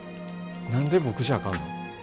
何で僕じゃあかんの。